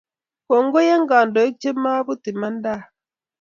Kongoi en kandoik che maput imanadaab